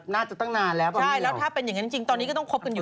น่าจะตั้งนานแล้วมาวันนี่เนี่ย